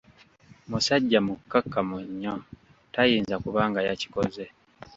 Musajja mukakkamu nnyo, tayinza kuba nga yakikoze.